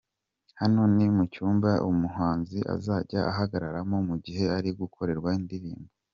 Hano ni mu cyumba umuhanzi azajya ahagararamo mu gihe ari gukorerwa indirimbo.